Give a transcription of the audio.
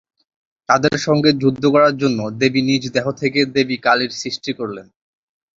তাদের সঙ্গে যুদ্ধ করার জন্য দেবী নিজ দেহ থেকে দেবী কালীর সৃষ্টি করলেন।